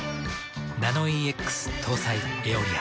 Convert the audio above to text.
ナノイーＸ搭載「エオリア」。